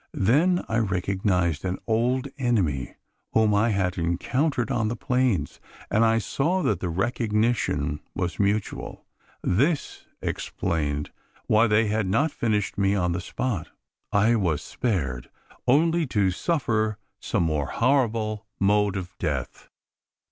Then I recognised an old enemy, whom I had encountered on the plains; and I saw that the recognition was mutual. This explained why they had not finished me on the spot. I was spared only to suffer some more horrible mode of death.